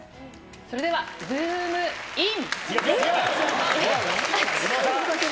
それではズームイン！！